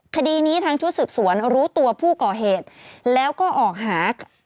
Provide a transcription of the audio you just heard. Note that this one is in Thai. คดีนี้ทางชุดสืบสวนรู้ตัวผู้ก่อเหตุแล้วก็ออกหา